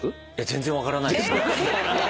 全然分からないです。